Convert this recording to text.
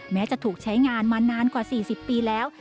แม้จะถูกใช้งานมานานกว่า๔๐ปีแล้ว